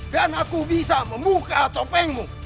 dan aku bisa membuka topengmu